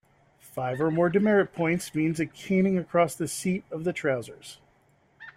Five or more demerit points mean a caning across the seat of the trousers.